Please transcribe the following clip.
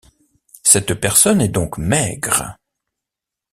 Cette personne est donc maigre.